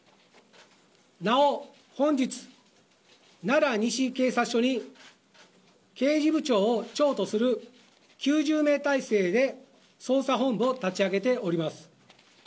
なお本日奈良西警察署に刑事部と刑事部長を長とする９０名態勢で捜査本部を立ち上げております。